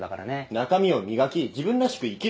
中身を磨き自分らしく生きる。